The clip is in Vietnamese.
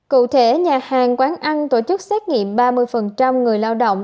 cụ thể nhà hàng quán ăn tổ chức xét nghiệm ba mươi người lao động